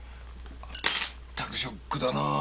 ったくショックだなぁ。